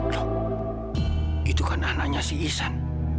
loh itu kan anaknya si ihsan